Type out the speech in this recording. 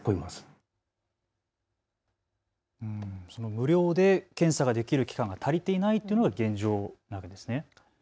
無料で検査ができる機関が足りていないというのが現状なんですね。